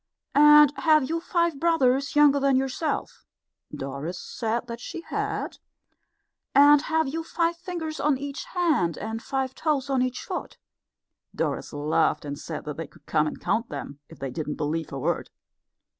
"And have you five brothers younger than yourself?" Doris said that she had. "And have you five fingers on each hand and five toes on each foot?" Doris laughed and said that they could come and count them if they didn't believe her word.